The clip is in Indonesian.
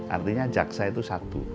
artinya jaksa itu satu